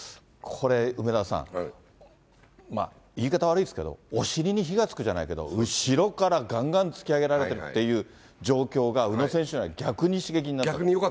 これ、梅沢さん、言い方悪いですけど、お尻に火がつくじゃないですけど、後ろからがんがん突き上げられてっていう状況が、宇野選手には逆に刺激になってる。